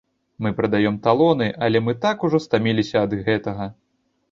Мы прадаём талоны, але мы так ўжо стаміліся ад гэтага.